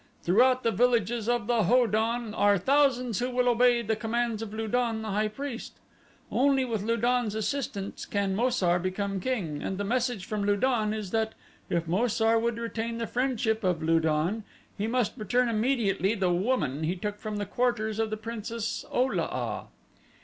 Throughout the villages of the Ho don are thousands who will obey the commands of Lu don, the high priest. Only with Lu don's assistance can Mo sar become king, and the message from Lu don is that if Mo sar would retain the friendship of Lu don he must return immediately the woman he took from the quarters of the Princess O lo a."